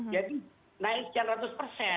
jadi naik seratus persen